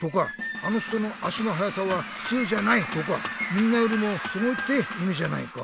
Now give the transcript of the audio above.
「あの人の足のはやさはふつうじゃない」とか「みんなよりもすごい」っていみじゃないか。